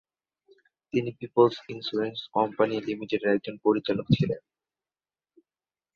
তিনি peoples insurance company লিমিটেডের একজন পরিচালক ছিলেন।